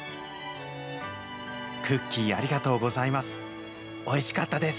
クッキーありがとうございます。